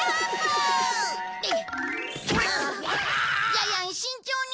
ジャイアン慎重に。